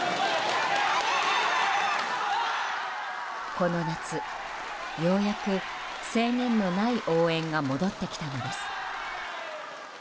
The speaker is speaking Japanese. この夏、ようやく制限のない応援が戻ってきたのです。